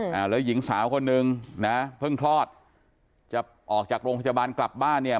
อ่าแล้วหญิงสาวคนนึงนะเพิ่งคลอดจะออกจากโรงพยาบาลกลับบ้านเนี่ย